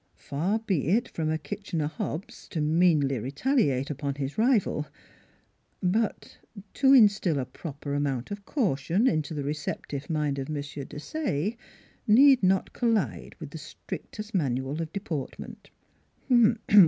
Far be it from a Kitchener Hobbs to meanly retaliate upon his rival: but to instil a proper amount of caution into the receptive mind of M. Desaye need not collide with the strictest manual of deportment.